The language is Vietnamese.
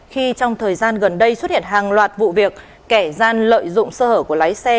khi trong thời gian gần đây xuất hiện hàng loạt vụ việc kẻ gian lợi dụng sơ hở của lái xe